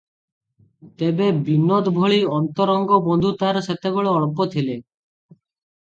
ତେବେ ବିନୋଦ ଭଳି ଅନ୍ତରଙ୍ଗ ବନ୍ଧୁ ତାର ସେତେବେଳେ ଅଳ୍ପ ଥିଲେ ।